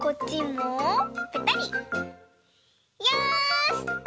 よし！